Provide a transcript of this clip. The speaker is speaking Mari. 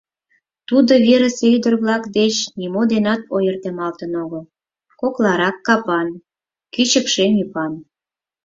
Тудо верысе ӱдыр-влак деч нимо денат ойыртемалтын огыл: кокларак капан, кӱчык шем ӱпан.